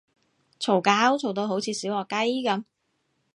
嘈交嘈到好似小學雞噉